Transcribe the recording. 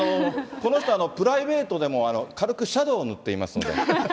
この人、プライベートでも軽くシャドウ塗ってますので。